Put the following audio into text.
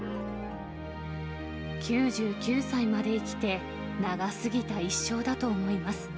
９９歳まで生きて、長すぎた一生だと思います。